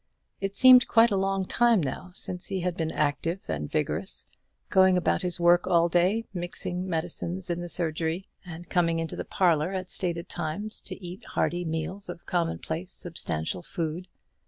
It seemed quite a long time now since he had been active and vigorous, going about his work all day, mixing medicines in the surgery, and coming into the parlour at stated times to eat hearty meals of commonplace substantial food.